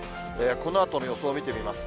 このあとの予想を見てみます。